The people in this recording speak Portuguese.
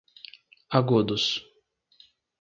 Agudos